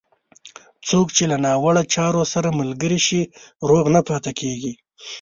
څوک چې له ناوړه چارو سره ملګری شي، روغ نه پاتېږي.